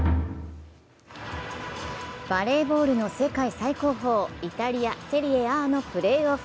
バレーボールの世界最高峰、イタリア・セリエＡのプレーオフ。